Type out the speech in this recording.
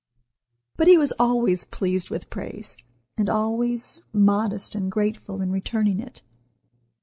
But he was always pleased with praise, and always modest and grateful in returning it.